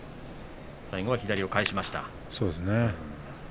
最後は左を返しました。